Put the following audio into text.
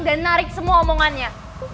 dan narik semua omongannya